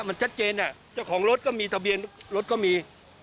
มันชัดเดนกับของรถก็มีต้องใหกลิ่นรถก็มี